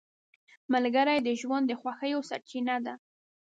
ملګری د ژوند د خوښیو سرچینه ده